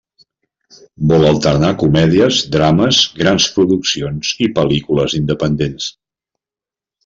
Vol alternar comèdies, drames, grans produccions i pel·lícules independents.